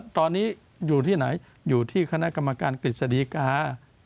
ตอนนี้อยู่ที่ไหนอยู่ที่คณะกรรมการกฤษฎีกา